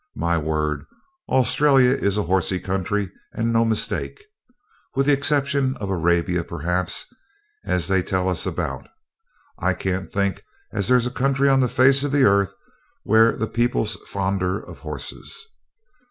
My word, Australia is a horsey country, and no mistake. With the exception of Arabia, perhaps, as they tell us about, I can't think as there's a country on the face of the earth where the people's fonder of horses.